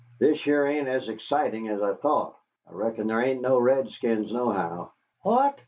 "This here ain't as excitin' as I thought. I reckon there ain't no redskins nohow." "What!"